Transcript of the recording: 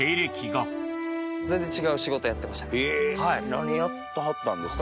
何やってはったんですか？